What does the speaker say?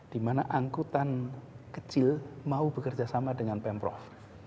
di mana angkutan kecil mau bekerja sama dengan pemprov